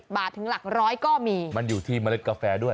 บาทถึงหลักร้อยก็มีมันอยู่ที่เมล็ดกาแฟด้วย